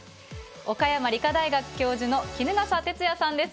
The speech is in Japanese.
岡山理科大学教授の衣笠哲也さんです。